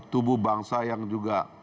tubuh bangsa yang juga